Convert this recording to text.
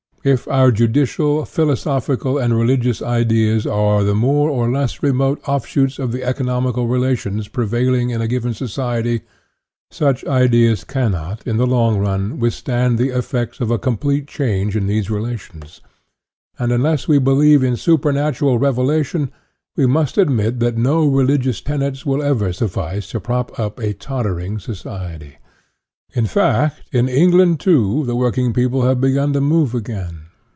If our juridical, philosophical, and religious ideas are the more or less remote ofrsljoots of the economical relations prevailing in a given society, such ideas cannot, in the long run, withstand the effects of a complete change in Uiese relations. And, unless we believe ' in supernatural revelation, we must admit that no religious tenets will ever suffice to prop up a tottering society. In fact, in England, too, the working people have begun to move again.